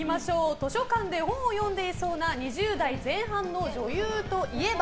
図書館で本を読んでいそうな２０代前半の女優といえば？